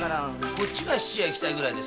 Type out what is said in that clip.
こっちが質屋へ行きたいぐらいで。